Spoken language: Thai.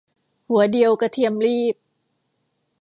หัวเดียวกระเทียมลีบ